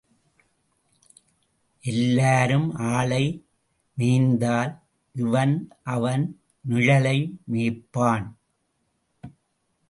எல்லாரும் ஆளை மேய்ந்தால், இவன் அவன் நிழலை மேய்ப்பான்.